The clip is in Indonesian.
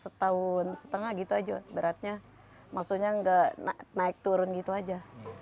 setahun setengah gitu aja beratnya maksudnya nggak naik turun gitu aja